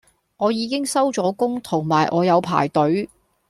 我已經收咗工同埋我有排隊